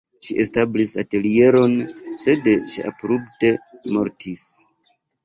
Ŝi establis atelieron, sed ŝi abrupte mortis.